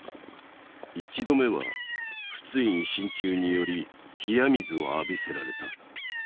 １度目は仏印進駐により冷や水を浴びせられた。